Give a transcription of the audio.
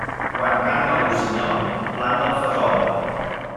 Quan canta el rossinyol, planta el fesol.